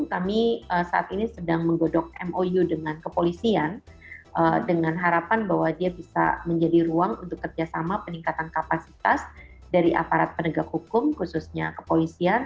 kami saat ini sedang menggodok mou dengan kepolisian dengan harapan bahwa dia bisa menjadi ruang untuk kerjasama peningkatan kapasitas dari aparat penegak hukum khususnya kepolisian